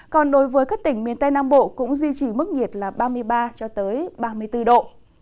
còn đối với các tỉnh miền tây nam bộ cũng duy trì mức nhiệt là ba mươi ba ba mươi bốn độ